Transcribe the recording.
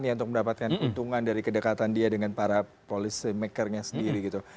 dia untuk mendapatkan keuntungan dari kedekatan dia dengan para policymaker nya sendiri